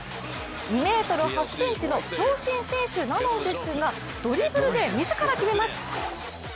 ２ｍ８ｃｍの長身選手なのですがドリブルで、自ら決めます。